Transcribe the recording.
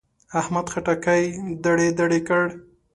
احمد خټکی دړې دړې کړ.